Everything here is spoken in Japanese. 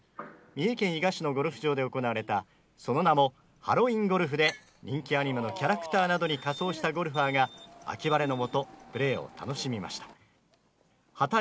三重県伊賀市のゴルフ場で行われたその名もハロウィーンＧＯＬＦで人気アニメのキャラクターなどに仮装したゴルファーが秋晴れのもと、プレーを楽しみました。